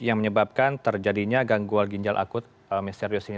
yang menyebabkan terjadinya gangguan ginjal akut misterius ini